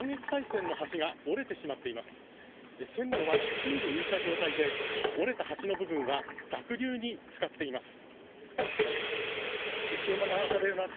線路は宙に浮いた状態で折れた橋の部分は濁流につかっています。